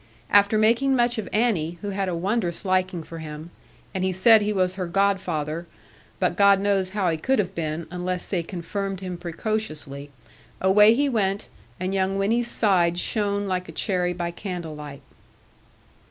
After making much of Annie, who had a wondrous liking for him and he said he was her godfather, but God knows how he could have been, unless they confirmed him precociously away he went, and young Winnie's sides shone like a cherry by candlelight.